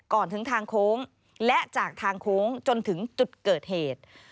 ก่อนถึงทางโค้งและจากทางโค้งจนถึงจุดเกิดเหตุ